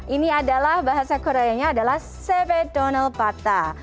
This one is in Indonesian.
ini adalah bahasa koreanya adalah sebe donel pata